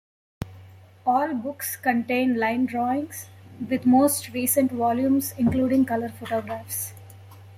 All books contain line drawings, with the most recent volumes including colour photographs.